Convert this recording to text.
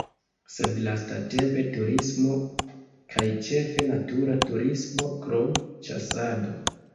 Sed lastatempe turismo kaj ĉefe natura turismo, krom ĉasado.